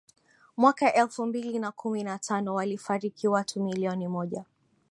mwaka elfu mbili na kumi na tano walifariki watu milioni moja